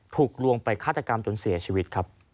ผลุกลวงไปฆาตกรรมจนเสียชีวิต